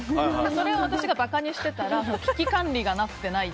それを私が馬鹿にしてたら危機管理がなってない。